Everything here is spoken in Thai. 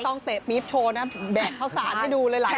ต้องเตะปี๊บโชว์นะแบกข้าวสารให้ดูเลยหลายคน